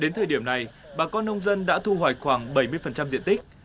đến thời điểm này bà con nông dân đã thu hoạch khoảng bảy mươi diện tích